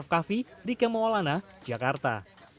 kavi dikemolana jakarta